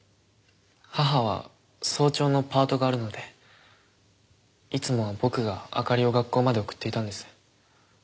母は早朝のパートがあるのでいつもは僕が明里を学校まで送っていたんです。